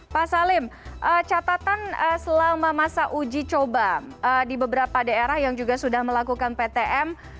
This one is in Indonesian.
pak salim catatan selama masa uji coba di beberapa daerah yang juga sudah melakukan ptm